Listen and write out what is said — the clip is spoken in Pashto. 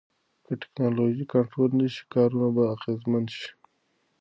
که ټکنالوژي کنټرول نشي، کارونه به اغیزمن شي.